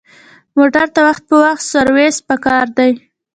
موټر ته وخت په وخت سروس پکار دی.